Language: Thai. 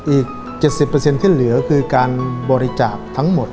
อีก๗๐เปอร์เซ็นต์ที่เหลือคือการบริจาปทั้งหมด